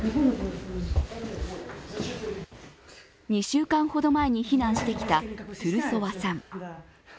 ２週間ほど前に避難してきたトゥルソワさん。